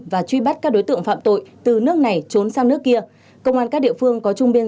và tiếp tục kết hợp nhuần nhuyễn